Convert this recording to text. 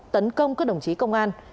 tấn công các đồng chí công an